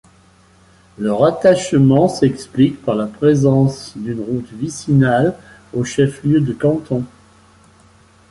Le rattachement s'explique par la présence d'une route vicinal au chef-lieu de canton.